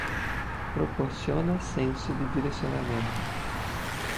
Proporciona senso de direcionamento